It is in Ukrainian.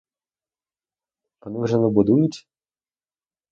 Вони вже не будують?